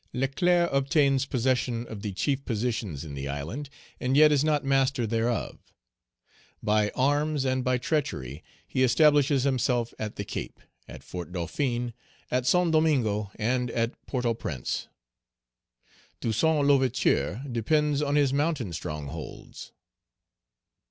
Leclerc obtains possession of the chief positions in the island, and yet is not master thereof By arms and by treachery he establishes himself at the Cape, at Fort Dauphin, at Saint Domingo, and at Port au Prince Toussaint L'Ouverture depends on his mountain strongholds.